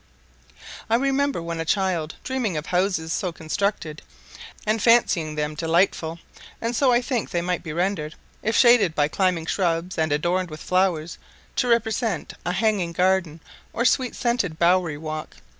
I remember when a child dreaming of houses so constructed, and fancying them very delightful; and so I think they might be rendered, if shaded by climbing shrubs, and adorned with flowers, to represent a hanging garden or sweet scented bowery walk.